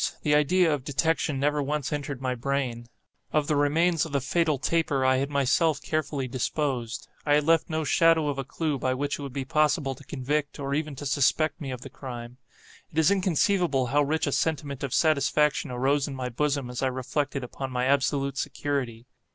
The idea of detection never once entered my brain. Of the remains of the fatal taper I had myself carefully disposed. I had left no shadow of a clew by which it would be possible to convict, or even to suspect me of the crime. It is inconceivable how rich a sentiment of satisfaction arose in my bosom as I reflected upon my absolute security.